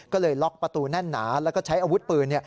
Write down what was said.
ก็เลยล็อกประตูแน่นหนาแล้วก็ใช้อาวุธปืน